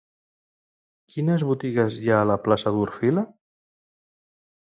Quines botigues hi ha a la plaça d'Orfila?